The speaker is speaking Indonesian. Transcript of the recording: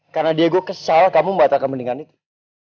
karena diego kesal kamu batalkan kemendingan itu